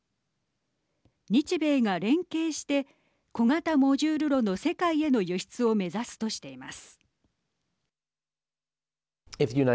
日米が連携して小型モジュール炉の世界への輸出を目指すとしています。